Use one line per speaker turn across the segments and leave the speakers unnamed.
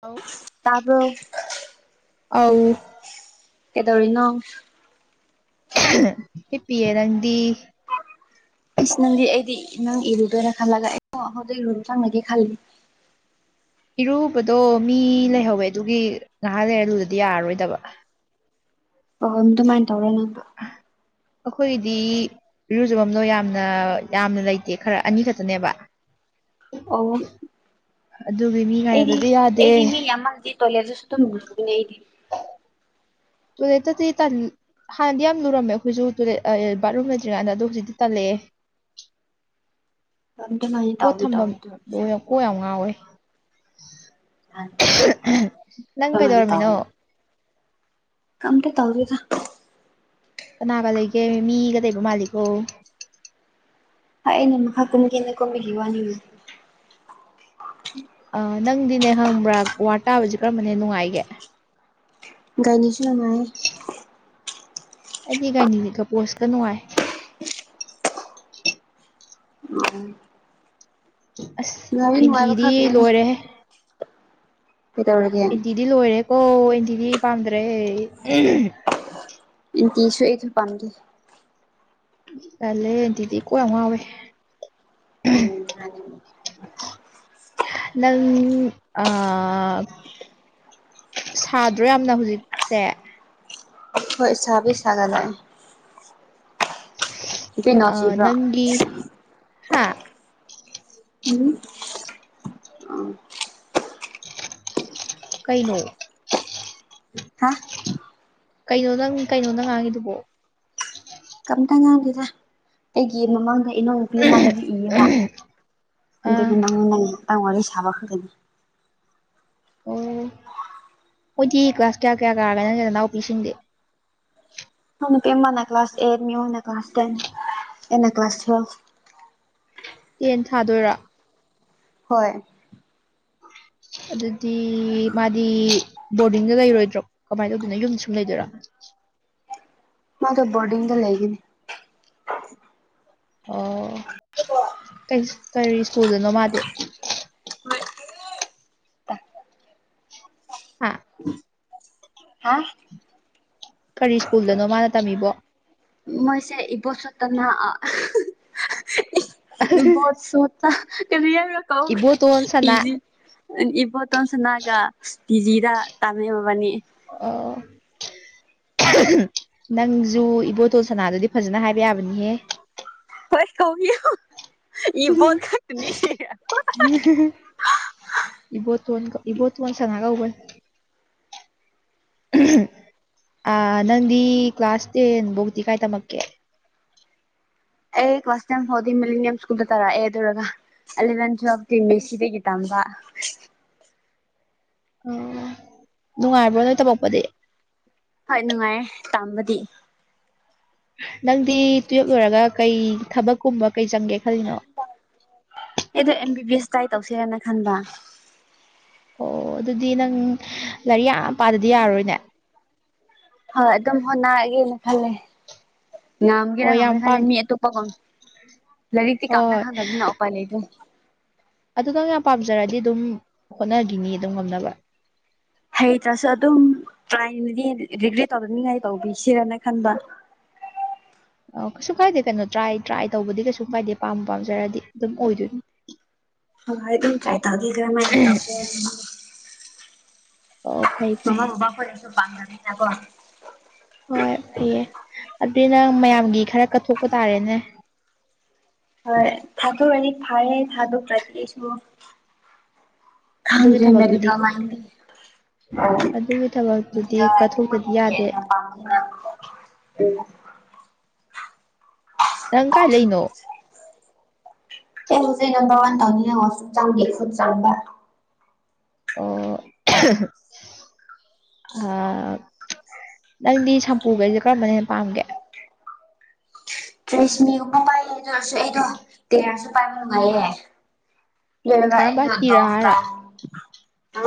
ꯑꯧ
ꯇꯥꯔꯕꯣ꯫
ꯑꯧ꯫
ꯀꯩꯗꯧꯔꯤꯅꯣ?
[unintelligible] ꯍꯤꯞꯄꯤꯌꯦ ꯅꯪꯗꯤ
ꯏꯁ ꯅꯪꯗꯤ ꯑꯩꯗꯤ ꯅꯪ ꯏꯔꯨꯗꯣꯏꯔꯥ ꯈꯜꯂꯒꯥ ꯑꯩꯗꯣ ꯍꯧꯖꯤꯛ ꯔꯨꯝ ꯆꯪꯉꯒꯦ ꯈꯜꯂꯤ
ꯏꯔꯨꯕꯗꯣ ꯃꯤ ꯂꯩꯍꯧꯋꯦ ꯑꯗꯨꯒꯤ ꯉꯥꯏꯍꯥꯛ ꯂꯩꯔꯥ ꯂꯨꯗꯥꯗꯤ ꯌꯥꯔꯔꯣꯏꯗꯕ
ꯑꯣꯍꯣꯝ ꯗꯨꯃꯥꯏꯟ ꯇꯧꯔꯣ ꯅꯪꯕ
[inaudible] ꯑꯈꯣꯏꯗꯤ ꯏꯔꯨꯖꯕꯝꯅꯣ ꯌꯥꯝꯅ ꯌꯥꯝꯅ ꯂꯩꯇꯦ ꯈꯔ ꯑꯅꯤ ꯈꯛꯇꯅꯦꯕ [inaudible]
ꯑꯧꯋꯣ
ꯑꯗꯨꯒꯤ ꯃꯤ
ꯑꯩꯗꯤ
ꯉꯥꯏꯅꯕꯗꯤ ꯌꯥꯗꯦ
ꯑꯩꯗꯤ ꯃꯤ ꯌꯥꯝꯃꯜꯗꯤ ꯇꯣꯏꯂꯦꯁꯨ ꯗꯨꯝ ꯂꯨꯕꯅꯦ ꯑꯩꯗꯤ
ꯇꯣꯏꯂꯦꯠꯇꯥꯗꯤ ꯇꯜ ꯍꯥꯟꯅꯗꯤ ꯌꯥꯝ ꯂꯨꯔꯝꯃꯦ ꯑꯈꯣꯏꯖꯨ ꯇꯣꯏꯂꯦꯠ ꯑꯥ ꯕꯥꯠꯔꯨꯝ ꯂꯩꯇ꯭ꯔꯤꯀꯥꯟꯗ ꯑꯗꯣ ꯍꯨꯖꯤꯛꯇꯤ ꯇꯜꯂꯛꯑꯦ
[unintelligible]
ꯄꯣꯠ
ꯇꯧꯕꯨ
ꯊꯝꯐꯝ
ꯇꯧꯔꯥꯗꯨ
ꯂꯣꯏ ꯀꯣꯛ ꯌꯥꯝ ꯉꯥꯎꯋꯦ
ꯅꯍꯥꯟ
[unintelligible] ꯅꯪ
ꯑꯗꯨꯃꯥꯏꯅ
ꯀꯩꯗꯧꯔꯝꯃꯤꯅꯣ
ꯀꯝꯇꯥ ꯇꯧꯗꯦꯗ
ꯀꯅꯥꯒꯥ ꯂꯩꯒꯦ ꯃꯤꯒꯥ ꯂꯩꯕ ꯃꯥꯜꯂꯤꯀꯣ
ꯍꯥꯏꯅ ꯃꯈꯥ ꯀꯨꯝꯒꯦꯅ ꯀꯨꯝꯕꯒꯤ ꯋꯥꯅꯤꯅꯦ
ꯑꯥ ꯅꯪꯗꯤꯅꯦ ꯈꯪꯕ꯭ꯔꯥ ꯋꯥꯔꯠ ꯇꯥꯕꯖꯤ ꯀꯔꯝꯕꯅ ꯍꯦꯟ ꯅꯨꯡꯉꯥꯏꯒꯦ
ꯒꯥꯏꯅꯤꯁꯨ ꯅꯨꯡꯉꯥꯏ
ꯑꯩꯗꯤ ꯒꯥꯏꯅꯤꯒꯥ ꯀꯄꯣꯠꯁꯀꯥ ꯅꯨꯡꯉꯥꯏ
[unintelligible]
ꯑꯁ
ꯅꯨꯡꯉꯥꯏꯕꯩ ꯅꯨꯡꯉꯥꯏꯕ
ꯑꯦꯟꯇꯤꯗꯤ
ꯈꯛꯇꯅꯤꯗ
ꯂꯣꯏꯔꯦꯍꯦ
ꯀꯩꯗꯧꯔꯒꯦ
ꯗꯤ ꯂꯣꯏꯔꯦꯀꯣ ꯑꯦꯟꯇꯤꯗꯤ ꯄꯥꯝꯗ꯭ꯔꯦ ꯎꯝ
ꯑꯦꯟꯇꯤꯁꯨ ꯑꯩꯁꯨ ꯄꯥꯝꯗꯦ
ꯇꯜꯂꯦ ꯑꯦꯟꯇꯤꯗꯤ ꯀꯣꯛ ꯌꯥꯝ ꯉꯥꯎꯋꯦ
[unintelligible]
ꯅꯪ ꯑꯥ ꯁꯥꯗ꯭ꯔꯣ ꯌꯥꯝꯅ ꯍꯨꯖꯤꯛꯁꯦ
ꯑꯈꯣꯏ ꯁꯥꯕꯨꯗꯤ ꯁꯥꯒꯠ ꯂꯥꯛꯑꯦ ꯅꯨꯄꯤ ꯅꯣꯡ
ꯑꯥ
ꯆꯨꯕ꯭ꯔꯣ
ꯅꯪꯒꯤ ꯍꯥꯥ
ꯎꯝ
ꯀꯩꯅꯣ
ꯍꯥ
ꯀꯩꯅꯣ ꯅꯪ ꯀꯩꯅꯣ ꯅꯪ ꯉꯥꯡꯉꯤꯗꯨꯕꯣ
ꯀꯝꯇꯥ ꯉꯥꯡꯗꯦꯗ ꯑꯩꯒꯤ ꯃꯃꯥꯡꯗꯩ ꯏꯅꯥꯎ ꯅꯨꯄꯤ ꯃꯥ ꯂꯥꯔꯤꯛ ꯏꯌꯦꯕ
ꯑꯥ
ꯑꯗꯨꯗꯤ ꯅꯪ ꯅꯪꯒꯤ ꯃꯇꯥꯡ ꯋꯥꯔꯤ ꯁꯥꯕ ꯈꯛꯇꯥꯅꯤ
ꯑꯣ ꯍꯣꯏꯗꯤ ꯀ꯭ꯂꯥꯁ ꯀꯌꯥ ꯀꯌꯥ ꯀꯥꯔꯒꯦ ꯅꯪꯒꯤ ꯅꯅꯥꯎꯄꯤꯁꯤꯡꯗꯤ
ꯐꯥꯎ ꯅꯨꯄꯤ ꯑꯃꯅ ꯀ꯭ꯂꯥꯁ ꯑꯦꯠ ꯃꯤꯌꯣꯅ ꯀ꯭ꯂꯥꯁ ꯇꯦꯟ ꯑꯩꯅ ꯀ꯭ꯂꯥꯁ ꯊꯨꯌꯦꯜꯐ
ꯇꯦꯟ ꯊꯥꯗꯣꯏꯔꯣ
ꯍꯣꯏ
ꯑꯗꯨꯗꯤ ꯃꯥꯗꯤ ꯕꯣꯔꯗꯤꯡꯗꯥ ꯂꯩꯔꯣꯏꯗ꯭ꯔꯣ ꯀꯃꯥꯏꯟ ꯇꯧꯗꯣꯏꯅꯣ ꯌꯨꯝꯗꯥ ꯁꯨꯝ ꯂꯩꯗꯣꯏꯔꯣ
ꯃꯥꯗꯣ ꯕꯣꯔꯗꯤꯡꯗꯥ ꯂꯩꯒꯅꯤ
ꯑꯣ ꯀꯩꯁ ꯀꯔꯤ ꯁ꯭ꯀꯨꯜꯗꯅꯣ ꯃꯥꯗꯤ
ꯉꯥꯏꯈꯣꯍꯦ
ꯍꯥꯥ
ꯍꯥ
ꯀꯔꯤ ꯁ꯭ꯀꯨꯜꯗꯅꯣ ꯃꯥꯅ ꯇꯝꯃꯤꯕꯣ
ꯃꯣꯏꯁꯦ ꯏꯕꯣ ꯁꯣꯠꯇꯅ ꯏꯕꯣꯁꯣꯠ
ꯏꯕꯣꯇꯣꯟ ꯁꯅꯥ
[unintelligible] ꯏꯕꯣꯠꯇꯣꯟ ꯁꯨꯅꯥꯗ ꯇꯤꯖꯤꯗ ꯇꯥꯝꯃꯦ ꯃꯣꯕꯥꯏꯅꯤ
ꯑꯣ ꯅꯪꯖꯨ ꯏꯕꯣꯇꯣꯟ ꯁꯅꯥꯗꯨꯗꯤ ꯐꯖꯅ ꯍꯥꯏꯕ ꯌꯥꯕꯅꯤꯍꯦ
[unintelligible]
ꯏꯕꯣꯇꯣꯟ ꯏꯕꯣꯇꯣꯟ ꯁꯅꯥ ꯀꯧꯕꯅꯦ ꯑꯥ ꯅꯪꯗꯤ ꯀ꯭ꯂꯥꯁ ꯇꯦꯟꯐꯧꯗꯤ ꯀꯥꯏ ꯇꯝꯃꯛꯀꯦ
ꯑꯩ ꯀꯂꯥꯁ ꯇꯦꯟꯐꯧꯗꯤ ꯃꯤꯂꯤꯅꯤꯌꯝ ꯁ꯭ꯀꯨꯜꯗ ꯇꯧꯔꯛꯑꯦ ꯑꯗꯨꯔꯣꯒ ꯑꯦꯂꯚꯦꯟ ꯇꯨꯋꯦꯜꯕ ꯇꯤ ꯃꯦꯁꯤꯗꯒꯤ ꯇꯝꯕ
ꯑꯣ ꯅꯨꯡꯉꯥꯏꯕ꯭ꯔꯣ ꯅꯣꯏ ꯇꯝꯃꯛꯄꯗꯤ
ꯍꯣꯏ ꯅꯨꯡꯉꯥꯏꯌꯦ ꯇꯝꯕꯗꯤ
ꯅꯪꯗꯤ ꯇꯨꯋ꯭ꯜꯞ ꯂꯣꯏꯔꯒ ꯀꯩ ꯊꯕꯛꯀꯨꯝꯕ ꯀꯩ ꯆꯪꯒꯦ ꯈꯜꯂꯤꯅꯣ
ꯑꯩꯗꯣ M B B S try ꯇꯧꯁꯦꯔꯅ ꯈꯟꯕ
ꯑꯣ ꯑꯗꯨꯗꯤ ꯅꯪ ꯂꯥꯏꯔꯤꯛ ꯌꯥꯝ ꯄꯥꯗꯗꯤ ꯌꯥꯔꯔꯣꯏꯅꯦ
ꯍꯣꯏ ꯑꯗꯨꯝ ꯍꯣꯠꯅꯔꯒꯦꯅ ꯈꯜꯂꯦ ꯉꯝꯒꯦꯔꯥ
ꯍꯣꯏ ꯌꯥꯝ
ꯉꯝꯃꯣꯗ
ꯄꯥꯝ
ꯈꯪꯗꯦ ꯃꯤ ꯑꯇꯣꯞꯄꯒꯨꯝ ꯂꯥꯏꯔꯤꯛꯇꯤ ꯀꯦꯝꯗ
ꯍꯣꯏ
ꯈꯪꯗꯕꯅꯤꯅ ꯎꯄꯥꯏ ꯂꯩꯇ꯭ꯔꯦ
ꯑꯗꯨ ꯅꯪ ꯌꯥꯝ ꯄꯥꯝꯖꯔꯗꯤ ꯑꯗꯨꯝ ꯍꯣꯠꯅꯒꯤꯅꯤ ꯑꯗꯨꯝ ꯉꯝꯅꯕ
ꯍꯩꯇ꯭ꯔꯁꯨ ꯑꯗꯨꯝ ꯇ꯭ꯔꯥꯏꯅꯗꯤ ꯔꯤꯒ꯭ꯔꯦꯠ ꯇꯧꯗꯅꯤꯡꯉꯥꯏ ꯇꯧꯕꯤꯁꯤꯔꯅ ꯈꯟꯕ
ꯑꯧ ꯀꯩꯁꯨ ꯀꯥꯏꯗꯦ ꯀꯩꯅꯣ ꯇ꯭ꯔꯥꯏ ꯇ꯭ꯔꯥꯏ ꯇꯧꯕꯗꯤ ꯀꯩꯁꯨ ꯀꯥꯏꯗꯦ ꯄꯥꯝꯕꯨ ꯄꯥꯝꯖꯔꯗꯤ ꯑꯗꯨꯝ ꯑꯣꯏꯗꯣꯏꯅꯤ
[unintelligible]
ꯑꯣ ꯐꯩ ꯐꯩ
ꯃꯃꯥ ꯕꯕꯥ ꯍꯣꯏꯅꯁꯨ ꯄꯥꯝꯖꯕꯅꯤꯅꯥ ꯀꯣ
ꯍꯣꯏ ꯐꯩꯌꯦ ꯑꯗꯨꯗꯤ ꯅꯪ ꯃꯌꯥꯝꯒꯤ ꯈꯔ ꯀꯠꯊꯣꯛꯄ ꯇꯥꯔꯦꯅꯦ
ꯍꯣꯏ ꯊꯥꯗꯣꯛꯑꯗꯤ ꯐꯩꯌꯦ ꯊꯥꯗꯣꯛꯇ꯭ꯔꯗꯤ ꯑꯩꯁꯨ
[inaudible]
ꯈꯪꯗ꯭ꯔꯦ
ꯊꯕꯛꯇꯨꯗꯤ
ꯃꯦꯗꯤꯀꯦꯜ ꯂꯥꯏꯟꯗꯤ
ꯑꯗꯨꯒꯤ
ꯃꯦꯗꯤꯀꯦꯜ
ꯊꯕꯛꯇꯨꯗꯤ
ꯂꯥꯏꯟꯗꯤ
ꯀꯠꯊꯣꯛꯇꯗꯤ
ꯃꯣꯏꯅ
ꯌꯥꯗꯦ
ꯍꯦꯟꯅ ꯄꯥꯝꯕ [unintelligible]
ꯅꯪ ꯀꯥꯏ ꯂꯩꯅꯣ
ꯑꯩ ꯍꯧꯖꯤꯛ ꯅꯝꯕꯔ ꯋꯥꯟ ꯇꯧꯅꯤꯡꯉꯦ ꯋꯥꯁꯔꯨꯝ ꯆꯪꯉꯨꯒꯦ ꯈꯨꯠ ꯆꯥꯝꯕ
ꯑꯣ ꯅꯪꯗꯤ ꯁꯝꯄꯨꯈꯩꯁꯦ ꯀꯔꯝꯕꯅ ꯍꯦꯟꯅ ꯄꯥꯝꯒꯦ
ꯇ꯭ꯔꯦꯁꯃꯤꯒꯨꯝꯕ ꯄꯥꯏꯌꯦ ꯑꯗꯨ ꯑꯣꯏꯔꯁꯨ ꯑꯩꯗꯣ ꯇꯦꯌꯥꯔꯁꯨ ꯄꯥꯏꯕ ꯅꯨꯡꯉꯥꯏꯌꯦ
ꯀꯔꯝꯕ ꯇꯤꯔꯥ ꯍꯥꯏꯔꯣ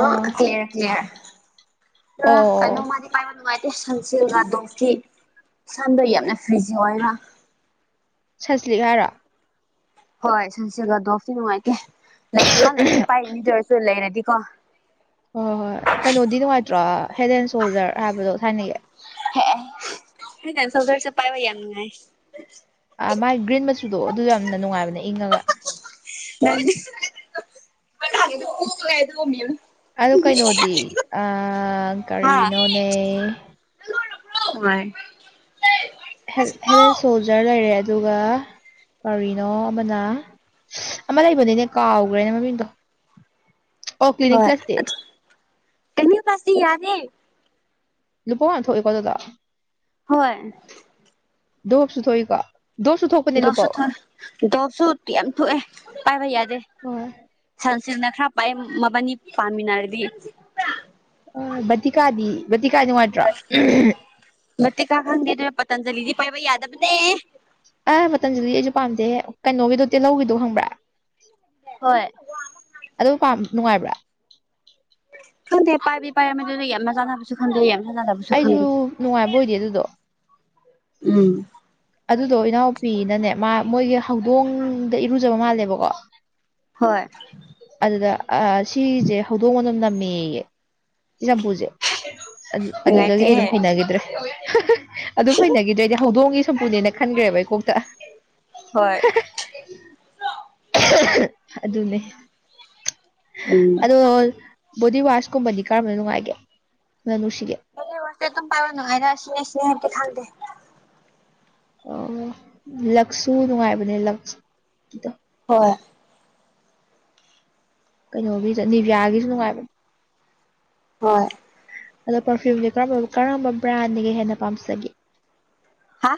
ꯑꯥ
ꯀꯩꯅꯣ
ꯑꯣ
ꯃꯥꯗꯤ ꯄꯥꯏꯕ ꯅꯨꯡꯉꯥꯏꯇꯦ ꯁꯟꯖꯤꯜꯒꯥ ꯗꯣꯞꯀꯤ ꯁꯝꯗꯣ ꯌꯥꯝꯅ ꯐ꯭ꯔꯤꯖꯤ ꯑꯣꯏꯕ
ꯁꯟꯁ꯭ꯂꯤꯛ ꯍꯥꯏꯔꯣ
ꯍꯣꯏ ꯁꯟꯁꯤꯜꯒ ꯗꯣꯞꯇꯤ ꯅꯨꯡꯉꯥꯏꯇꯦ ꯂꯩꯇꯕ ꯂꯩꯔꯗꯤ ꯄꯥꯏꯒꯤꯅꯤ ꯑꯗꯨ ꯑꯣꯏꯔꯁꯨ ꯂꯩꯔꯗꯤꯀꯣ
ꯍꯣꯏ ꯍꯣꯏ ꯀꯩꯅꯣꯗꯤ ꯅꯨꯡꯉꯥꯏꯇ꯭ꯔꯣ ꯍꯦꯗ ꯑꯦꯟ ꯁꯣꯜꯗꯔ ꯍꯥꯏꯕꯗꯣ ꯊꯥꯏꯅꯒꯤ
ꯍꯦ ꯍꯦꯗ ꯑꯦꯟ ꯁꯣꯜꯗꯔꯁꯦ ꯄꯥꯏꯕ ꯌꯥꯝ ꯅꯨꯡꯉꯥꯏꯌꯦ
ꯑ ꯃꯥꯏ ꯒ꯭ꯔꯤꯟ ꯃꯆꯨꯗꯣ ꯑꯗꯨꯗꯣ ꯌꯥꯝꯅ ꯅꯨꯡꯉꯥꯏꯕꯅꯦ ꯏꯪꯉꯒ
[unintelligible]
ꯑꯗꯨ ꯀꯩꯅꯣꯗꯤ ꯑ ꯀꯔꯤꯅꯣꯅꯦ
ꯋꯥꯏ [unintelligible]
ꯍꯦꯗ ꯍꯦꯗ ꯑꯦꯟ ꯁꯣꯜꯖꯔ ꯂꯩꯔꯦ ꯑꯗꯨꯒ ꯀꯔꯤꯅꯣ ꯑꯃꯅ ꯑꯃ ꯂꯩꯕꯅꯤꯅꯦ ꯀꯥꯎꯒ꯭ꯔꯦꯅꯦ ꯃꯃꯤꯡꯗꯣ ꯑꯣ ꯀ꯭ꯂꯤꯅꯤꯛ
ꯍꯣꯏ
ꯄ꯭ꯂꯁꯇꯤ
ꯑꯗꯨ ꯑꯅꯤ ꯕꯁꯇꯤ ꯌꯥꯗꯦ
ꯂꯨꯄꯧ ꯌꯥꯝ ꯊꯣꯛꯏꯀꯣ ꯑꯗꯨꯗꯣ
ꯍꯣꯏ
ꯗꯣꯞꯁꯨ ꯊꯣꯛꯏꯀꯣ ꯗꯣꯞꯁꯨ ꯊꯣꯛ
ꯗꯣꯞꯁꯨ ꯊꯣꯑꯦ ꯗꯣꯞꯁꯨ ꯇꯤ ꯌꯥꯝ ꯊꯣꯛꯑꯦ ꯄꯥꯏꯕ ꯌꯥꯗꯦ
ꯍꯣꯏ
ꯁꯟꯁꯤꯜꯛꯅ ꯈꯔ ꯄꯩ ꯃꯕꯥꯅꯤ ꯄꯥꯃꯤꯟꯅꯔꯗꯤ
ꯑꯥ ꯕꯇꯤꯀꯗꯤ ꯕꯇꯤꯀꯥꯗꯤ ꯅꯨꯡꯉꯥꯏꯇ꯭ꯔꯣ
ꯕꯇꯤꯀ ꯈꯪꯗꯦ ꯑꯗꯣ ꯄꯇꯟꯖꯂꯤꯗꯤ ꯄꯥꯏꯕ ꯌꯥꯗꯕꯅꯦ
ꯑꯥ ꯄꯇꯟꯖꯂꯤ ꯑꯩꯁꯨ ꯄꯥꯝꯗꯦ ꯀꯩꯅꯣꯒꯤꯗꯣ ꯇꯤꯜꯍꯧꯒꯤꯗꯣ ꯈꯪꯕ꯭ꯔꯥ
ꯍꯣꯏ
ꯑꯗꯨ ꯄꯥꯝ ꯅꯨꯡꯉꯥꯏꯕ꯭ꯔꯥ
ꯈꯪꯗꯦ ꯄꯥꯏꯕꯤ ꯄꯥꯏ ꯃꯗꯨ ꯌꯥꯝ ꯆꯥꯟꯅꯥꯕꯁꯨ ꯈꯪꯗꯦ ꯌꯥꯝ ꯆꯥꯟꯅꯕ
ꯑꯩꯖꯨ ꯅꯨꯡꯉꯥꯏꯕ ꯑꯣꯏꯗꯦ ꯑꯗꯨꯗꯣ
ꯎꯝ
ꯑꯗꯨꯗꯣ ꯏꯅꯥꯎꯄꯤꯅꯅꯦ ꯃꯥ ꯃꯣꯏꯒꯤ ꯍꯧꯗꯣꯡꯗ ꯏꯔꯨꯖꯕ ꯃꯥꯜꯂꯦꯕꯀꯣ
ꯍꯣꯏ
ꯑꯗꯨꯗ ꯑ ꯁꯤꯁꯦ ꯍꯧꯗꯣꯡ ꯃꯅꯝ ꯅꯝꯃꯦꯌꯦ ꯁꯤ ꯆꯝꯄꯨꯖꯦ ꯑꯗꯨ ꯑꯗꯨꯗꯒꯤ ꯑꯩ
ꯅꯨꯡꯉꯥꯏꯇꯦꯍꯦ
ꯑꯗꯨꯝ ꯍꯩꯅꯒꯤꯗ꯭ꯔꯦ ꯍꯥ ꯍꯥ ꯑꯗꯨꯝ ꯍꯩꯅꯒꯤꯗ꯭ꯔꯦ ꯑꯩꯗꯤ ꯍꯧꯗꯣꯡꯒꯤ ꯁꯝꯄꯨꯅꯦꯅ ꯈꯟꯒ꯭ꯔꯦꯕꯦ ꯑꯩ ꯀꯣꯛꯇ
ꯍꯣꯏ
ꯑꯗꯨꯅꯦ
ꯎꯝ
ꯑꯗꯣ ꯕꯣꯗꯤ ꯋꯥꯁꯀꯨꯝꯕꯗꯤ ꯀꯔꯝꯕꯅ ꯅꯨꯡꯉꯥꯏꯒꯦ ꯃꯅꯝ ꯅꯨꯡꯁꯤꯒꯦ
ꯕꯣꯗꯤ ꯋꯥꯁꯇꯤ ꯑꯗꯨꯝ ꯄꯥꯏꯕ ꯅꯨꯡꯉꯥꯏꯅ ꯑꯁꯤ ꯑꯁꯤꯔꯗꯤ ꯈꯪꯗꯦ
ꯑꯣ ꯂꯛꯁꯨ ꯅꯨꯡꯉꯥꯏꯕꯅꯦ ꯂꯛꯁ ꯗꯣ
ꯍꯣꯏ
ꯀꯩꯅꯣꯒꯤꯁꯨ ꯅꯤꯕꯤꯌꯥꯒꯤꯁꯨ ꯅꯨꯡꯉꯥꯏꯕꯅꯦ
ꯍꯣꯏ
ꯑꯗꯣ ꯄꯔꯐ꯭ꯌꯨꯝꯖꯦ ꯀꯔꯝꯕ ꯀꯔꯝꯕ ꯕ꯭ꯔꯥꯟꯅ ꯍꯦꯟꯅ ꯄꯥꯝꯖꯒꯦ
ꯍꯥ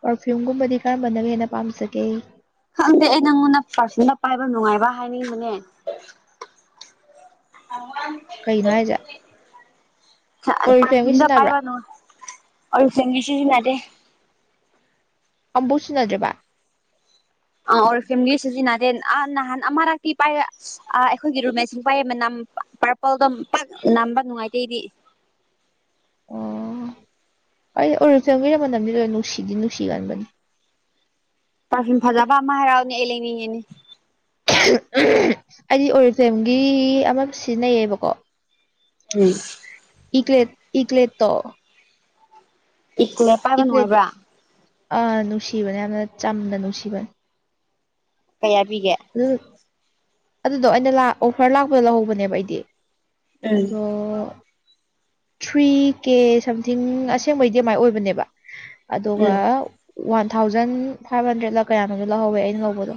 ꯄꯔꯐ꯭ꯌꯨꯝꯒꯨꯝꯕꯗꯤ ꯀꯔꯝꯕꯅ ꯍꯦꯟꯅ ꯄꯥꯝꯖꯒꯦ
ꯈꯪꯗꯦ ꯑꯩ ꯅꯪꯉꯣꯟꯗ ꯄꯔꯐ꯭ꯌꯨꯝꯒ ꯄꯥꯏꯕ ꯅꯨꯡꯉꯥꯏꯕ ꯍꯥꯏꯅꯤꯡꯕꯅꯦ ꯍꯪꯉꯣꯏ
ꯀꯩꯅꯣ ꯍꯥꯏꯁꯦ
ꯑ
ꯑꯣꯔꯤꯐ꯭ꯂꯦꯝꯒꯤ
ꯄꯔꯐ꯭ꯌꯨꯝꯒ
ꯁꯤꯖꯤꯟꯅꯕ꯭ꯔꯥ
ꯄꯥꯏꯕ ꯅꯨ ꯑꯣꯔꯤꯐ꯭ꯂꯦꯝꯒꯤ ꯁꯤꯁꯤꯟꯅꯗꯦ
ꯑꯝꯕꯨ ꯁꯤꯖꯤꯟꯅꯗ꯭ꯔꯤꯕ
ꯑꯥ ꯑꯣꯔꯤꯐ꯭ꯔꯦꯝꯒꯤ ꯐꯦ ꯁꯤꯖꯤꯅꯦꯟ ꯅꯍꯥꯟ ꯑꯃꯔꯛꯇꯤ ꯄꯥꯏ ꯑ ꯑꯩꯈꯣꯏꯒꯤ ꯔꯨꯝꯃꯦꯠꯁꯦ ꯅꯨꯄꯥ ꯌꯥꯝ ꯅꯝꯕ ꯄꯔꯄꯜꯗꯣ ꯄꯠ ꯅꯝꯕ ꯅꯨꯡꯉꯥꯏꯇꯦ ꯑꯩꯗꯤ
ꯑꯣ ꯑꯩ ꯑꯔꯤ ꯐ꯭ꯂꯦꯝꯒꯤ ꯃꯅꯝꯗꯤ ꯂꯣꯏ ꯅꯨꯡꯁꯤꯗꯤ ꯅꯨꯡꯁꯤꯒꯟꯕꯅꯤ
ꯄꯔꯐ꯭ꯌꯨꯝ ꯐꯖꯕ ꯑꯃ ꯍꯥꯏꯔꯛꯎꯅꯦ ꯑꯩ ꯂꯩꯅꯤꯡꯉꯦꯅꯦ
ꯑꯩꯗꯤ ꯑꯣꯔꯤꯐ꯭ꯂꯦꯝꯒꯤ ꯑꯃ ꯁꯤꯖꯤꯟꯅꯩꯌꯦꯕꯀꯣ
ꯎꯝ꯫
ꯏꯀꯂꯦꯠ ꯏꯀꯂꯦꯠ ꯇꯣ
ꯏꯀꯂꯦꯠ
ꯏꯀꯂꯦꯠ ꯑꯥ ꯅꯨꯡꯁꯤꯕꯅꯦ ꯌꯥꯝꯅ ꯆꯝꯅ ꯅꯨꯡꯁꯤꯕ
ꯀꯌꯥ ꯄꯤꯒꯦ
ꯑꯗꯨ ꯑꯗꯨꯗꯣ ꯑꯩꯅ ꯂꯥꯛ ꯑꯣꯐꯔ ꯂꯥꯛꯄꯗ ꯂꯧꯍꯧꯕꯅꯦꯕ ꯑꯩꯗꯤ
ꯎꯝ
ꯑꯗꯣ ꯊ꯭ꯔꯤ ꯀꯦ ꯁꯝꯊꯤꯡ ꯑꯁꯦꯡꯕꯩꯗꯤ ꯑꯗꯨ ꯃꯥꯏ ꯑꯣꯏꯕꯅꯦꯕ ꯑꯗꯨꯒ
ꯎꯝ
ꯋꯥꯟ ꯊꯥꯎꯖꯟ ꯐꯥꯏꯚ ꯍꯟꯗ꯭ꯔꯦꯗꯂ ꯀꯌꯥꯅꫭꯝꯃ ꯂꯧꯍꯧꯋꯦ ꯑꯩꯅ ꯂꯧꯕꯗꯣ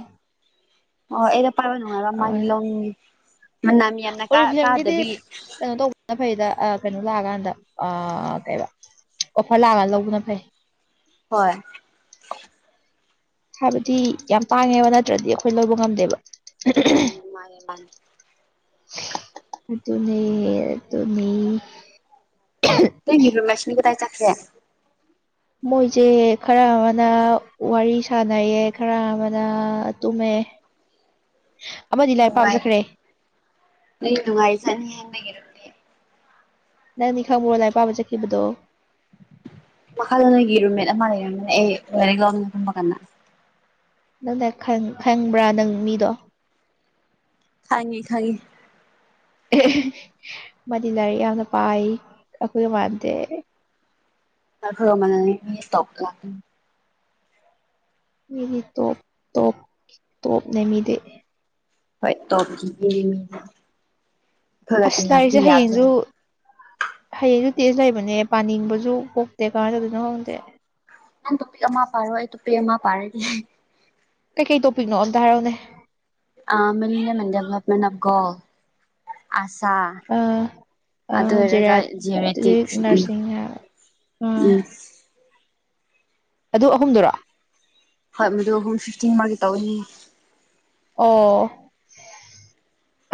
ꯑꯣ ꯑꯩꯩꯅ ꯄꯥꯕ ꯅꯨꯡꯉꯥꯏꯕ ꯃꯥꯔꯤ
ꯑꯗꯨꯃꯥꯏꯅ
ꯂꯧꯅꯤꯉꯦ ꯃꯨꯟꯅ ꯃꯤ ꯌꯥꯝꯅ ꯀ ꯀꯥꯗꯕꯤ
ꯑ ꯐꯩꯗ ꯑ ꯀꯩꯅꯣ ꯂꯥꯛꯒꯥꯟꯗ ꯑ ꯀꯩꯕ ꯑꯣꯐꯔ ꯂꯥꯛꯑꯒ ꯂꯧꯕꯅ ꯐꯩ
ꯍꯣꯏ
[inaudible] ꯍꯥꯏꯕꯗꯤ ꯌꯥꯝ ꯇꯥꯡꯉꯦꯕ ꯅꯠꯇ꯭ꯔꯥꯗꯤ ꯑꯩꯈꯣꯏ ꯂꯧꯕ ꯉꯝꯗꯦꯕ
ꯎꯝ ꯃꯥꯅꯦ ꯃꯥꯅꯦ
ꯑꯗꯨꯅꯦ ꯑꯗꯨꯅꯦ
ꯅꫭꯏꯒꯤ ꯔꯨꯝꯃꯦꯠꯁꯤꯡ ꯀꯗꯥꯥꯏ ꯆꯠꯈ꯭ꯔꯦ
ꯃꯣꯏꯁꯦ ꯈꯔꯥ ꯑꯃꯅ ꯋꯥꯔꯤ ꯁꯥꯟꯅꯩꯌꯦ ꯈꯔꯥ ꯑꯃꯅ ꯇꯨꯝꯃꯦ [inaudible] ꯑꯃꯗꯤ ꯂꯥꯏꯔꯤꯛ ꯄꯥꯕ
ꯅꯨꯡꯉꯥꯏ
ꯆꯠꯈ꯭ꯔꯦ
ꯅꯪ ꯅꯨꯡꯉꯥꯏ ꯖꯥꯠꯅꯤꯍꯦ ꯅꯪꯒꯤꯗꫭ
ꯅꯪꯅꯤ ꯈꯪꯕ꯭ꯔꫭ ꯂꯥꯏꯔꯤꯛ ꯄꯥꯕ ꯆꯠꯈꯤꯕꯗꯣ
ꯃꯈꯥꯗ ꯅꯣꯏꯒꯤ ꯔꯨꯝꯃꯦꯠ ꯑꯃ ꯂꯩꯔꯝꯕꯅꯦ ꯑꯩ [unintelligible] ꯀꯟꯅ
ꯅꯪꯗꯥꯏ ꯈꯪ ꯈꯪꯕ꯭ꯔꯥ ꯅꯪ ꯃꯤꯗꯣ
ꯈꯥꯡꯉꯦ ꯈꯥꯡꯉꯦ
ꯃꯥꯗꯤ ꯂꯥꯏꯔꯤꯛ ꯌꯥꯝꯅ ꯄꯥꯏ ꯑꯩꯈꯣꯏꯒ ꯃꯥꯟꯗꯦ
ꯑꯩꯈꫭꯏꯒ ꯃꯥꯟꯅꯅꯤ ꯇꯧ ꯇꯥꯏ
ꯃꯤꯗꯤ ꯇꯣꯞ ꯇꯣꯞ ꯇꯣꯞꯅꯦ ꯃꯤꯗꯤ
ꯍꫭꯏ ꯇꯣꯞꯒꯤ ꯃꯤ ꯃꯤꯅꯤ ꯑꯩꯈꯣꯏꯒ
ꯑꯁ
ꯇꯤꯟꯅꯕꯗꯤ
ꯂꯥꯏꯔꯤꯛꯁꯦ
ꯌꯥꯕꯖꯥꯠ
ꯍꯌꯦꯡꯁꯨ
ꯅꯠꯇꯦ
ꯍꯌꯦꯡꯁꯨ ꯇꯦꯖ ꯂꯩꯕꯅꯦ ꯄꯥꯅꯤꯡꯕꯁꯨ ꯄꫭꯛꯇꯦ ꯀꯃꯥꯏ ꯇꯧꯗꫭꯏꯅꯣ ꯈꯪꯗꯦ
ꯅꯪ ꯇꫭꯄꯤꯛ ꯑꯃ ꯄꯥꯏꯔꫭ ꯑꯩ ꯇꫭꯄꯤꯛ ꯑꯃ ꯄꯥꯏꯔꯒꯦ
ꯀꯩ ꯀꯩ ꯇꯣꯄꯤꯛꯅꯣ ꯑꯝꯇ ꯍꯥꯏꯔꯛꯎꯅꯦ
ꯑ ꯃꯤꯅꯤꯌꯝ ꯑꯦꯟꯗ ꯗꯦꯕꯂꯞꯃꯦꯟ ꯑꫭꯐ ꯒꯣꯜ ꯑꯁꯥ
ꯑ ꯑ
ꯑꯗꯨ ꯑꯣꯏꯔꯒ
geriatric
genetics three um
nursing ꯑ
ꯎꯝ꯫
ꯑꯗꯨ ꯑꯍꯨꯝꯗꯨꯔꯣ
ꯍꯣꯏ ꯃꯗꯨꯨꯝ ꯑꯍꯨꯝ ꯐꯤꯐꯇꯤꯟ ꯃꯥꯒꯤ ꯇꯧꯋꯤ ꯍꯥꯏꯌꯦ
ꯑꯣ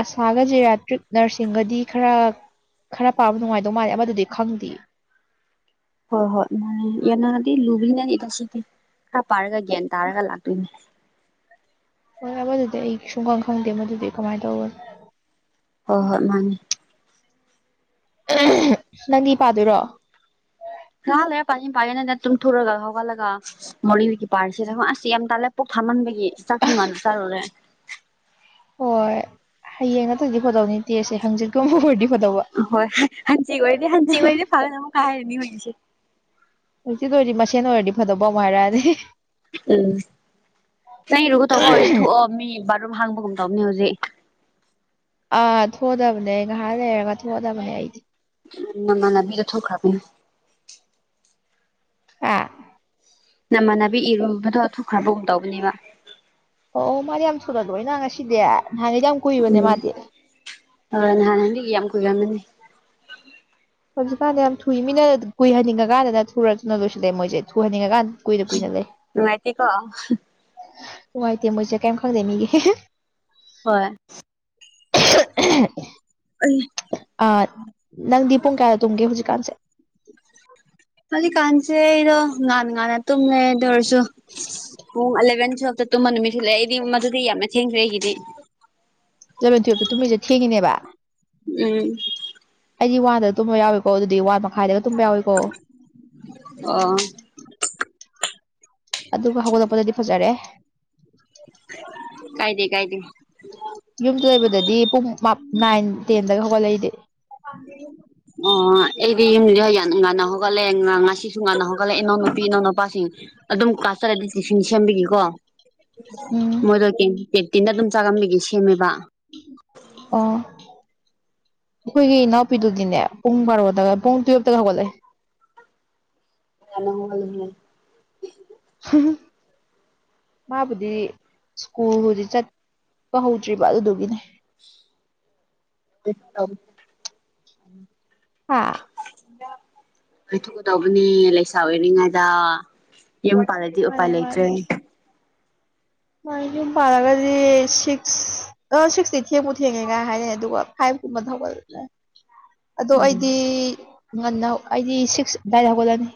ꯑꯁꯥꯒ ꯖꯦꯔꯌꯥꯇ꯭ꯔꯤꯛ ꯅꯔꯁꯤꯡꯒꯗꯤ ꯈꯔ ꯈꯔꯥ ꯄꯥꯕ ꯅꯨꯡꯉꯥꯏꯗꯧ ꯃꯥꯜꯂꯦ ꯑꯃꯗꯨꯗꯤ ꯈꯪꯗꯦ
ꯍꯣꯏ ꯍꯣꯏ ꯃꯥꯅꯦ ꯌꯥꯅꯔꯗꯤ ꯂꯨꯕꯩꯅꯅꯤꯗ ꯁꯤꯗꯤ ꯈꯔ ꯄꯥꯔꯒ ꯒ꯭ꯌꯥꯟ ꯇꯥꯔꯒ ꯂꯥꯛꯇꯣꯏꯅꯦ
ꯍꯣꯏ ꯑꯝꯗꯨꯗꯤ ꯑꯩ ꯁꯨꯡꯈꯪ ꯈꯪꯗꯦ ꯃꯗꯨꯗꯤ ꯀꯃꯥꯏ ꯇꯧꯔ
ꯍꯣꯏ ꯍꯣꯏ ꯃꯥꯅꯤ
ꯅꯪꯗꯤ ꯄꯥꯗꯣꯏꯔꯣ
ꯉꯍꯥꯛ ꯂꯩꯔꯥ ꯄꯥꯅꯤ ꯄꯥꯒꯦꯅ ꯇꯨꯝꯊꫭꯛꯔꯒ ꯍꯧꯒꯠꯂꯒ ꯋꯥꯔꯤ ꯄꯥꯁꯤꯔꯥ ꯑꯁ ꯌꯥꯝ ꯇꯥꯜꯂꯦ ꯄꯨꯛ ꯊꯟꯃꯟꯕꯒꯤ ꯆꯥꯛꯁꯨꯨ ꯉꯥꯟꯅ ꯆꯥꯔꯨꯔꯦ
ꯍꯣꯏ ꯍꯌꯦꯡ ꯅꯠꯇ꯭ꯔꯗꯤ ꯐꯥꯗꯧꯅꯦ ꯇꯦꯁꯇꯁꯦ ꯍꯪꯆꯤꯠꯀꯨꯝꯕ ꯑꯣꯏꯔꯗꯤ ꯐꯗꯧꯕ
ꯍꯣꯏ ꯍꯥꯡꯆꯤꯠ ꯑꯣꯏꯔꯗꯤ ꯍꯥꯡꯆꯤꯠ ꯑꯣꯏꯔꯗꯤ ꯐꯒꯗꯕꯥ ꯃꯨꯛ ꯀꯥꯏ ꯍꯥꯏꯔꯗꯤ ꯍꯣꯏꯁꯦ
ꯍꯧꯖꯤꯛ ꯑꯣꯏꯔꯗꯤ ꯃꯁꯦꯟ ꯑꯣꯏꯔꯗꯤ ꯐꯗꯧꯕ ꯑꯃꯨꯛ ꯍꯥꯏꯔ꯭
ꯎꯝ ꯅꯪꯒꯤꯗꯨꯕꯨ ꯇꯧꯕꯥ ꯍꯧꯔꯥꯗꯤ ꯊꯣꯛꯑꯣ ꯃꯤ ꯄꯥꯟ ꯑꯗꯨꯝ ꯍꯥꯡꯕꯒꯨꯝ ꯇꯧꯕꯅꯦ ꯍꯧꯖꯤꯛ
ꯑꯥ ꯊꯣꯛꯑꯗꯕꯅꯦ ꯉꯥꯍꯥꯛ ꯂꯩꯔꯒ ꯊꯣꯛꯑꯗꯕꯅꯦ ꯑꯩꯗꯤ
ꯅꯥꯃꯟꯅꯕꯤ ꯒꯥ ꯊꯣꯛꯈꯔ꯭ꯕꯅꯦ
ꯍꯥ
ꯅꯃꯥꯟꯅꯕꯤ ꯏꯔꯨꯕꯗꯣ ꯊꯣꯛꯈ꯭ꯔꯕꯒꯨꯝ ꯇꯧꯕꯅꯦꯕ
ꯑꯣ ꯃꯥꯗꯤ ꯌꯥꯝ ꯊꯨꯅ ꯂꯣꯏꯅ ꯉꯁꯤꯗꯤ ꯅꯥꯍꯥꯟꯉꯩꯗꯤ ꯌꯥꯝ ꯀꯨꯏꯕꯅꯦ
ꯎꯝ
ꯃꯥꯗꯤ
ꯍꯣꯏ ꯅꯍꯥꯟꯒꯩꯏ ꯌꯥꯝ ꯀꯨꯏꯔꯝꯃꯅꯤ
ꯍꯧꯖꯤꯛꯀꯥꯟꯗ ꯌꯥꯝ ꯊꯨꯏ ꯃꯤꯅ ꯀꯨꯏꯍꯟꯅꯤꯡꯉꯀꯥꯟꯗꯅ ꯊꯨꯅ ꯊꯨꯅ ꯂꯣꯏꯁꯤꯜꯂꯦ ꯃꯣꯏꯁꯦ ꯊꯨꯍꯟꯅꯤꯡꯉꯀꯥꯟ ꯀꯨꯏꯅ ꯀꯨꯏꯅ ꯂꯩ
ꯅꯨꯡꯉꯥꯏꯇꯦꯀꯣ
ꯅꯨꯡꯉꯥꯏꯇꯦ ꯃꯣꯏꯁꯦ ꯀꯦꯝ ꯈꯪꯗꯦ ꯃꯤꯒꯤ
ꯍꯣꯏ
ꯑ ꯅꯪꯗꯤ ꯄꯨꯡ ꯀꯌꯥꯗ ꯇꯨꯝꯒꯦ ꯍꯧꯖꯤꯛꯀꯥꯟꯁꯦ
ꯍꯧꯖꯤꯛꯀꯥꯟꯁꯦ ꯑꯩꯗꯣ ꯉꯥꯟ ꯉꯥꯟꯅ ꯇꯨꯝꯃꯦ ꯇ ꯑꯣꯏꯔꯁꯨ ꯄꯨꯡ ꯑꯦꯂꯚꯦꯟ ꯇꯨꯋꯜꯕꯇ ꯇꯨꯝꯕ ꯅꯨꯃꯤꯠ ꯂꯩꯑꯦ ꯑꯩꯗꯤ ꯃꯗꯨꯗꯤ ꯌꯥꯝꯅ ꯊꯦꯡꯈ꯭ꯔꯦ ꯑꯩꯒꯤꯗꯤ
ꯑꯦꯂꯚꯦꯟ ꯇꯨꯌꯦꯜꯞꯇ ꯇꯨꯝꯃꯤꯁꯦ ꯊꯦꯡꯉꯤꯅꯦꯕ
ꯎꯝ
ꯑꯩꯗꯤ ꯋꯥꯟꯗ ꯇꯨꯝꯕ ꯌꯥꯎꯋꯦꯀꯣ ꯑꯗꯨꯗꯤ ꯋꯥꯟ ꯃꯈꯥꯏꯗꯒ ꯇꯨꯝꯕ ꯌꯥꯎꯋꯤ
ꯑꯣ
ꯑꯗꯨꯕꯨ ꯍꯧꯒꯠꯂꯛꯄꯗꯗꯤ ꯐꯖꯔꯦ
ꯀꯥꯏꯗꯦ ꯀꯥꯏꯗꯦ
ꯌꯨꯝꯗ ꯂꯩꯕꯗꯗꯤ ꯄꯨꯡ ꯃꯥꯞ ꯅꯥꯏꯟ ꯇꯦꯟꯗꯒ ꯍꯧꯒꯠꯂꯦ ꯑꯩꯗꯤ [unintelligible]
ꯑꯣ ꯑꯩꯗꯤ ꯌꯨꯝꯗ ꯌꯥꯝ ꯉꯥꯟꯅ ꯍꯧꯒꯠꯂꯦ ꯉꯁꯤꯁꯨ ꯉꯥꯟꯅ ꯍꯧꯒꯠꯂꯦ ꯏꯅꯎꯅꯨꯄꯤ ꯏꯅꯥꯎꯅꯨꯄꯥꯁꯤꯡ ꯑꯗꯨꯝ ꯀꯂ꯭ꯥꯁ ꯆꯠꯂꯗꯤ ꯇꯤꯐꯤꯟ ꯁꯦꯝꯕꯤꯒꯤꯀꯣ
ꯎꯝ
ꯃꯣꯏꯗꯣ ꯀꯦꯟ ꯀꯦꯟꯇꯤꯟꯗ ꯑꯗꯨꯝ ꯆꯥꯔꯝꯕꯤꯒꯤ ꯁꯦꯝꯃꯦꯕ
ꯑꯣ ꯑꯩꯈꯣꯏꯒꯤ ꯏꯅꯥꯎꯄꯤꯗꯨꯗꯤꯅꯦ ꯄꯨꯡ ꯕꯥꯔꯣꯗꯒ ꯄꯨꯡ ꯇꯨꯌꯦꯜꯞꯇꯒ ꯍꯧꯒꯠꯂꯦ
ꯌꯥꯝꯅ [unintelligible]
[unintelligible] ꯃꯥꯕꯨꯗꯤ ꯁ꯭ꯀꯨꯜꯕꯨꯗꯤ ꯆꯠꯄ ꯍꯧꯗ꯭ꯔꯤꯕ ꯑꯗꯨꯗꯨꯒꯤꯅꯦ
[unintelligible]
ꯍꯥꯥ
[unintelligible] ꯗꯧꯕꯅꯦ ꯂꯩꯁꯥ ꯑꯣꯏꯔꯤꯉꯩꯗ ꯌꯨꯝ ꯄꯜꯂꯥꯗꯤ ꯎꯄꯥꯏ
ꯃꯥꯅꯦ
ꯂꯩꯇ꯭ꯔꯦ
ꯍꯣꯏ ꯌꯨꯝ ꯄꯜꯂꯒꯗꯤ ꯁꯤꯛꯁ ꯑ ꯁꯤꯛꯁꯇꯤ ꯊꯦꯡꯕꯨ ꯊꯦꯡꯉꯦꯒꯥꯏ ꯍꯥꯏꯅꯩ ꯑꯗꯨꯒ ꯐꯥꯏꯚ ꯃꯇꯨꯡ ꯑꯣꯏꯕꯁꯨ ꯌꯥꯏ ꯑꯗꯣ ꯑꯩꯗꯤ ꯉꯟꯅ ꯑꯩꯗꯤ ꯁꯤꯛꯁ ꯑꯗꯥꯏ ꯍꯧꯒꯠꯂꯅꯤ